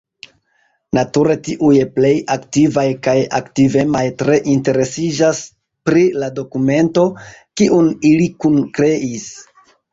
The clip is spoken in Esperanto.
Nature tiuj plej aktivaj kaj aktivemaj tre interesiĝas pri la dokumento, kiun ili kunkreis.